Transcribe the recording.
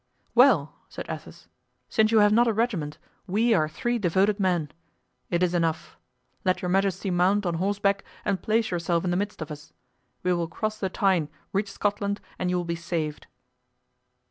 "Well!" said Athos, "since you have not a regiment, we are three devoted men. It is enough. Let your majesty mount on horseback and place yourself in the midst of us; we will cross the Tyne, reach Scotland, and you will be saved."